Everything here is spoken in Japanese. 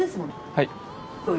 はい。